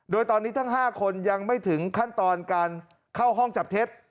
โดยตอนนี้ทั้ง๕คนยังไม่ถึงขั้นตอนการเข้าห้องจับเท็จ